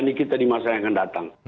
dan ini kita dimasangkan datang